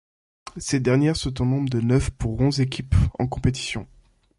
Ces dernières sont au nombre de neuf pour onze équipes en compétition.